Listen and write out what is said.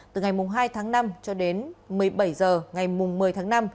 từ ngày hai tháng năm cho đến một mươi bảy h ngày một mươi tháng năm